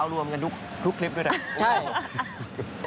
เอารวมกันทุกคลิปด้วยแหละ